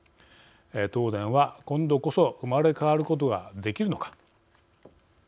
東電は今度こそ生まれ変わることができるのか。